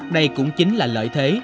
đây cũng chính là lợi thế